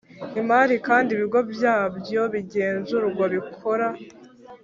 Imari kandi ibigo byabyo bigenzurwa bikora